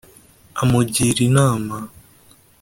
Amugira inama